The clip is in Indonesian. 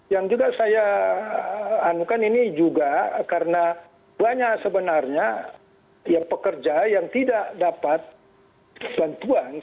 yang juga saya anukan ini juga karena banyak sebenarnya yang pekerja yang tidak dapat bantuan